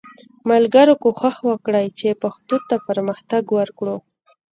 ملګرو کوښښ وکړئ چې پښتو ته پرمختګ ورکړو